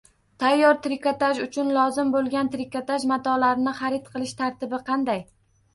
Tayyor trikotaj uchun lozim bo’lgan trikotaj matolarini xarid qilish tartibi qanday?